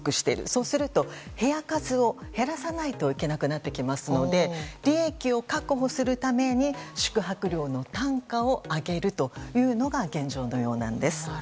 そうすると部屋数を減らさないといけなくなってきますので利益を確保するために宿泊料の単価を上げるというのが現状のようです。